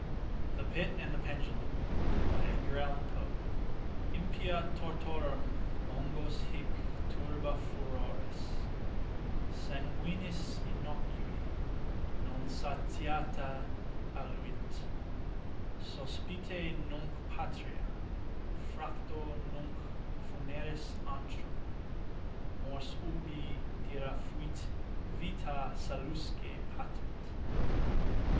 THE PIT AND THE PENDULUM Impia tortorum longos hic turba furores Sanguinis innocui, non satiata, aluit. Sospite nunc patria, fracto nunc funeris antro, Mors ubi dira fuit vita salusque patent.